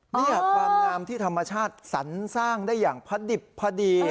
นี่ความงามที่ธรรมชาติสรรสร้างได้อย่างพระดิบพอดี